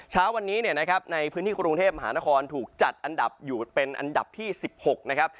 เช้าวันนี้เนี่ยนะครับในพื้นที่กรุงเทพมหานครถูกจัดอันดับอยู่เป็นอันดับที่๑๖นะครับ